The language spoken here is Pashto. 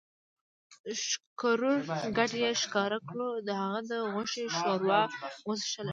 ښکرور ګډ ئې ښکار کړو، د هغه د غوښې ښوروا مو وڅښله